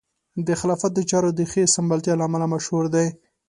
د خلافت د چارو د ښې سمبالتیا له امله مشهور دی.